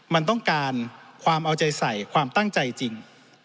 มันต้องการความเอาใจใส่ความตั้งใจจริง